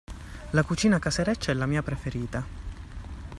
La cucina casereccia è la mia preferita.